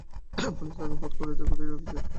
Police তাহাকে পথ হইতে কুড়াইয়া আনিয়াছে।